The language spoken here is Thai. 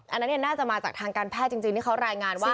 อันนั้นน่าจะมาจากทางการแพทย์จริงที่เขารายงานว่า